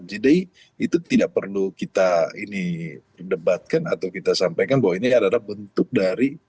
jadi itu tidak perlu kita ini debatkan atau kita sampaikan bahwa ini adalah bentuk dari